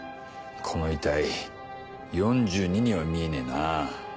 この遺体４２には見えねえな。